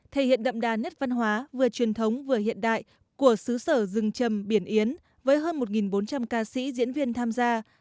thể hiện đậm đà nét văn hóa vừa truyền thống vừa hiện đại của xứ sở rừng trầm biển yến với hơn một bốn trăm linh ca sĩ diễn viên tham gia